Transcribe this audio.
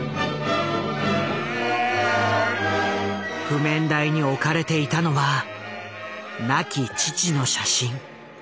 譜面台に置かれていたのは亡き父の写真。